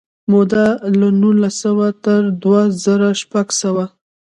موده له نولس سوه تر دوه زره شپږ وه.